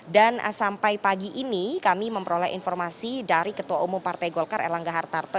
dan sampai pagi ini kami memperoleh informasi dari ketua umum partai golkar elangga hartarto